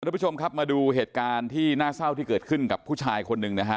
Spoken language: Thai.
ทุกผู้ชมครับมาดูเหตุการณ์ที่น่าเศร้าที่เกิดขึ้นกับผู้ชายคนหนึ่งนะฮะ